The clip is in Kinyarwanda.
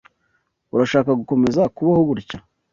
Urashaka gukomeza kubaho gutya?